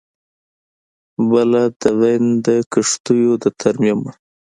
بله د وین د کښتیو د ترمیم وه